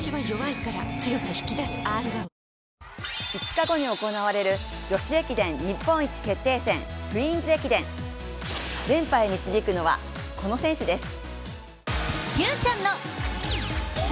５日後に行われる女子のクイーンズ駅伝、連覇へ導くのはこの選手です。